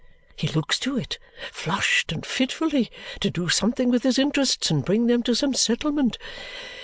He looks to it, flushed and fitfully, to do something with his interests and bring them to some settlement.